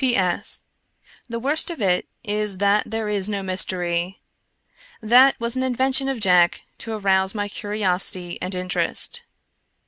P.S. — The worst of it is that there is no mystery. That was an invention of Jack to arouse my curiosity and inter est.